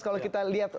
kalau kita lihat